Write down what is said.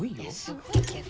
すごいけど。